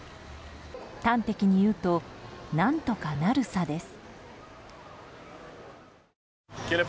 端的に言うと「なんとかなるさ」です。